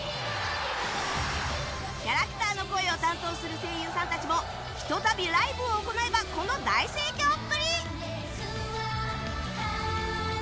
キャラクターの声を担当する声優さんたちもひと度ライブを行えばこの大盛況っぷり！